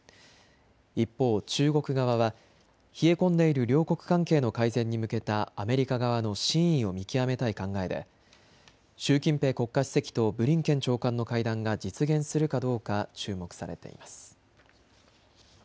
一方、中国側は冷え込んでいる両国関係の改善に向けたアメリカ側の真意を見極めたい考えで習近平国家主席とブリンケン長官の会談が実現するかどうか注目されています。